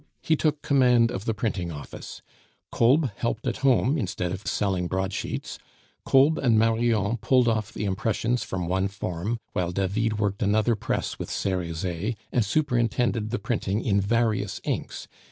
He took command of the printing office, Kolb helped at home instead of selling broadsheets. Kolb and Marion pulled off the impressions from one form while David worked another press with Cerizet, and superintended the printing in various inks.